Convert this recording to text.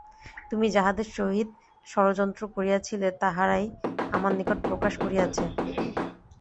তুমি যাহাদের সহিত ষড়যন্ত্র করিয়াছিলে তাহারাই আমার নিকট প্রকাশ করিয়াছে।